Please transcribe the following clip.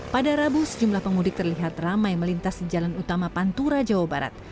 pada rabu sejumlah pemudik terlihat ramai melintas di jalan utama pantura jawa barat